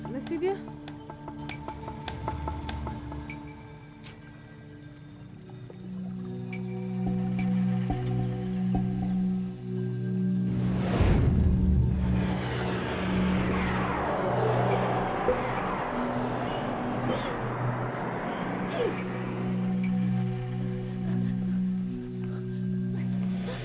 terima kasih tuan